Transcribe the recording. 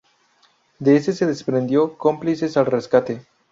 De ese se desprendió "Cómplices al rescate".